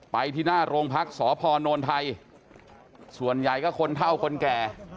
ไปที่หน้าโรงพักษพโนนไทยส่วนใหญ่ก็คนเท่าคนแก่